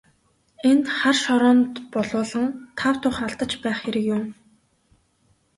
Энд хар шороонд булуулан тав тух алдаж байх хэрэг юун.